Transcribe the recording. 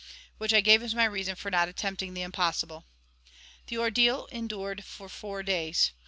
Which I gave as my reason for not attempting the impossible. The ordeal endured for four days.